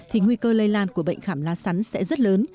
thì nguy cơ lây lan của bệnh khảm lá sắn sẽ rất lớn